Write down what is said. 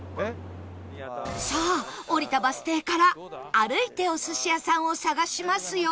さあ降りたバス停から歩いてお寿司屋さんを探しますよ